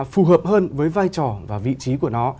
phù hợp hơn với vai trò và vị trí của nó